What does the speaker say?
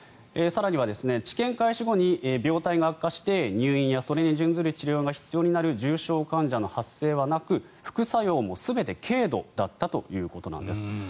更には、治験開始後に病態が悪化して入院やそれに準じる治療が必要になる重症患者の発生はなく副作用も全て軽度だったということなんです。